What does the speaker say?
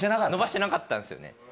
伸ばしてなかったんですよね。